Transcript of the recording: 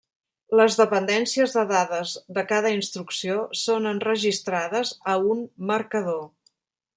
Les dependències de dades de cada instrucció són enregistrades a un marcador.